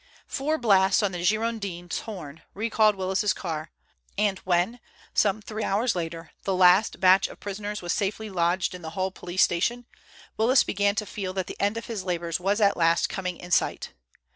Four blasts on the Girondin's horn recalled Willis's car, and when, some three hours later, the last batch of prisoners was safely lodged in the Hull police station, Willis began to feel that the end of his labors was at last coming in sight.